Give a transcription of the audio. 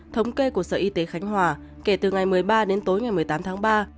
thống kê của sở y tế khánh hòa kể từ ngày một mươi ba đến tối ngày một mươi tám tháng ba